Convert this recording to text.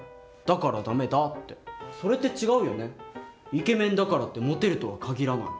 イケメンだからってモテるとは限らない。